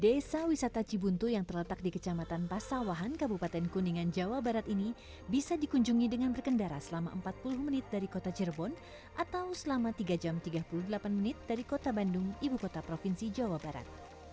desa wisata cibuntu yang terletak di kecamatan pasawahan kabupaten kuningan jawa barat ini bisa dikunjungi dengan berkendara selama empat puluh menit dari kota cirebon atau selama tiga jam tiga puluh delapan menit dari kota bandung ibu kota provinsi jawa barat